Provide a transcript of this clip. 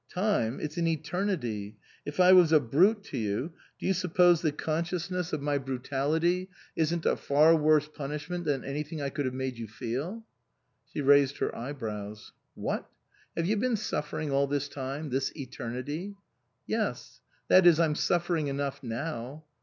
" Time ? It's an eternity. If I was a brute to you, do you suppose the consciousness of my T.S.Q. 177 N THE COSMOPOLITAN brutality isn't a far worse punishment than any thing I could have made you feel ?" She raised her eyebrows. "What? Have you been suffering all this time this eternity ?"" Yes. That is, I'm suffering enough now."